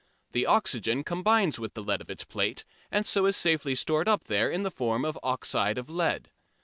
The oxygen combines with the lead of its plate and so is safely stored up there in the form of oxide of lead.